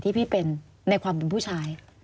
พี่เป็นในความเป็นผู้ชาย